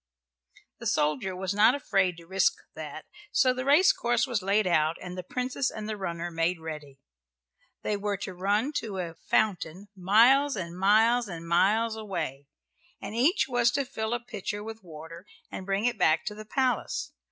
The soldier was not afraid to risk that, so the race course was laid out, and the Princess and the runner made ready. They were to run to a fountain miles and miles and miles away, and each was to fill a pitcher with water and bring it back to the palace.